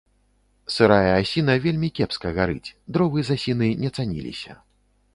Сырая асіна вельмі кепска гарыць, дровы з асіны не цаніліся.